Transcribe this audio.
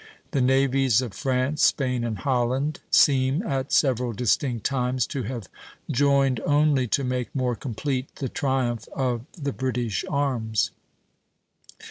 The navies of France, Spain, and Holland seem, at several distinct times, to have joined only to make more complete the triumph of the British arms."